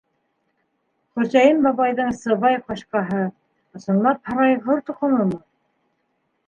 Хөсәйен бабайҙың Сывай ҡашҡаһы... ысынлап һарайғыр тоҡомомо?